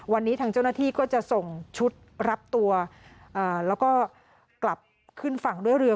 วันนี้ทางเจ้าหน้าที่ก็จะส่งชุดรับตัวแล้วก็กลับขึ้นฝั่งด้วยเรือ